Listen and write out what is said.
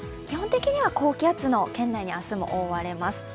基本的には高気圧の圏内に明日も覆われます。